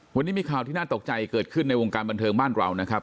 วันนี้มีข่าวที่น่าตกใจเกิดขึ้นในวงการบันเทิงบ้านเรานะครับ